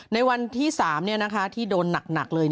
ในวันที่๓ที่โดนหนักเลย